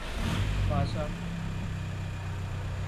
باسا